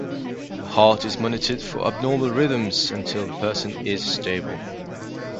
The heart is monitored for abnormal rhythms until the person is stable.